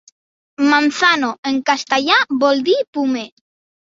Manzano en castellà vol dir pomer.